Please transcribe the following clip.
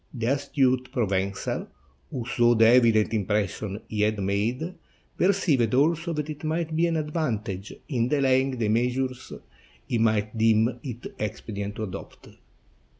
The astute Provencal, who saw the evident impression he had made, perceived also that it might be of advan tage in delaying the measures he might deem it expedient to adopt.